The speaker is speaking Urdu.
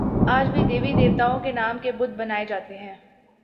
آج بھی دیوی دیوتاؤں کے نام کے بت بنا ئے جاتے ہیں